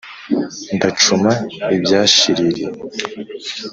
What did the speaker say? ndacuma ibyashiririye